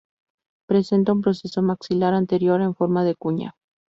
Presenta un proceso maxilar anterior en forma de cuña.